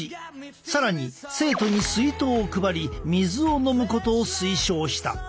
更に生徒に水筒を配り水を飲むことを推奨した。